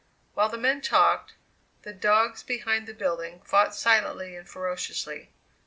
While the men talked, the dogs, behind the building, fought silently and ferociously.